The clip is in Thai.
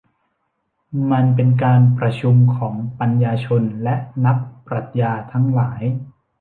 มันเป็นการประชุมของปัญญาชนและนักปรัชญาทั้งหลาย